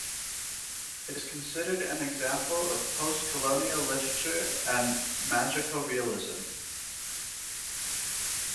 It is considered an example of postcolonial literature and magical realism.